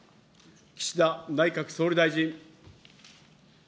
岸田内閣総理大臣。